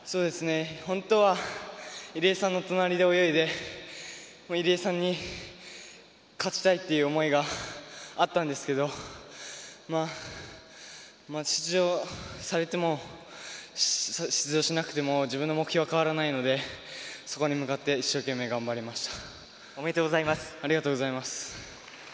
本当は入江さんの隣で泳いで入江さんに勝ちたいという思いがあったんですけど出場されても出場しなくても自分の目標は変わらないのでそこに向かって一生懸命頑張りました。